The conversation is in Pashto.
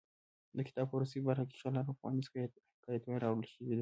د کتاب په وروستۍ برخه کې شل ارواپوهنیز حکایتونه راوړل شوي دي.